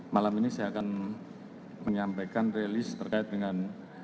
malam ini saya akan menyampaikan release terkait dengan